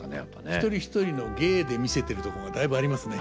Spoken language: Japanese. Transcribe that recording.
一人一人の芸で見せてるとこがだいぶありますね。